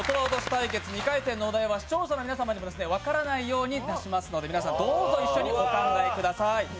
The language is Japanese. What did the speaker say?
対決２回戦のお題は、視聴者の皆様にも分からないようにしますので皆さんどうぞ一緒にお考えください。